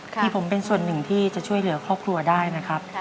ที่ผมเป็นส่วนหนึ่งที่จะช่วยเหลือครอบครัวได้นะครับ